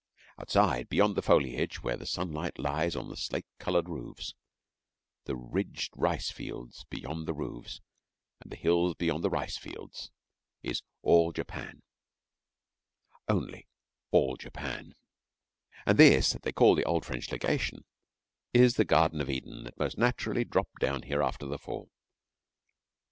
Outside, beyond the foliage, where the sunlight lies on the slate coloured roofs, the ridged rice fields beyond the roofs, and the hills beyond the rice fields, is all Japan only all Japan; and this that they call the old French Legation is the Garden of Eden that most naturally dropped down here after the Fall.